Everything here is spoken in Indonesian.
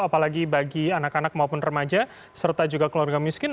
apalagi bagi anak anak maupun remaja serta juga keluarga miskin